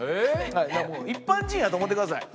もう一般人やと思ってください。